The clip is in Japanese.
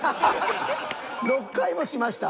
６回もしました？